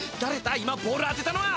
今ボール当てたのは！